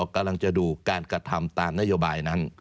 กำลังจะดูการกระทำตามนโยบายนั้น